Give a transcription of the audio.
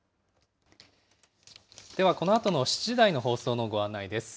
ではこのあとの７時台の放送のご案内です。